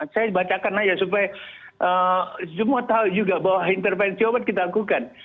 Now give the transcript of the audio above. saya bacakan aja supaya semua tahu juga bahwa intervensi obat kita lakukan